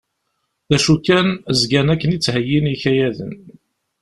D acu kan zgan akken i ttheyyin i yikayaden.